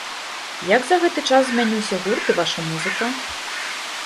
Як за гэты час змяніўся гурт і ваша музыка?